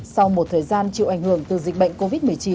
sau một thời gian chịu ảnh hưởng từ dịch bệnh covid một mươi chín